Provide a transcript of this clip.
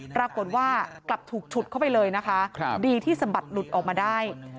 ปรากฏว่ากลับถูกฉุดเข้าไปเลยนะคะดีที่สะบัดหลุดออกมาได้